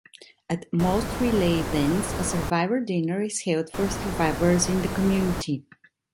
At most Relay events, a Survivor Dinner is held for survivors in the community.